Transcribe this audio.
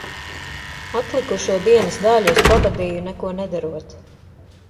Atlikušo dienas daļu es pavadīju neko nedarot.